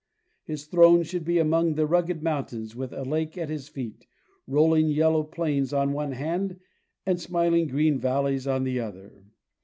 His throne should be among the rugged mountains, with a lake at his feet, rolling yellow plains on one hand and smiling green valleys on the other.